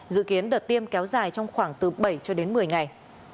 dự kiến đợt tiêm kéo dài trong khoảng từ bảy cho đến một mươi ngày